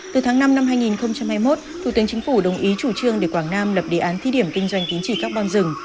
từ tháng năm năm hai nghìn hai mươi một thủ tướng chính phủ đồng ý chủ trương để quảng nam lập đề án thí điểm kinh doanh tính trị carbon rừng